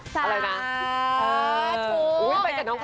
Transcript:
จาทุก